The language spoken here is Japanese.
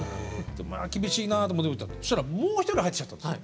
厳しいなと思ってそしたらもう一人入ってきちゃったんですよ。